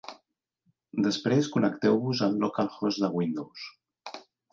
Després connecteu-vos al local-host de Windows.